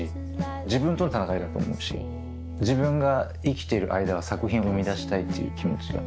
自分との闘いだと思うし自分が生きている間は作品を生み出したいっていう気持ちが。